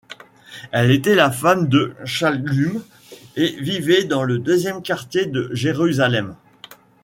Elle était la femme de Shallum et vivait dans le deuxième quartier de Jérusalem.